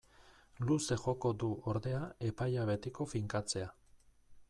Luze joko du, ordea, epaia betiko finkatzea.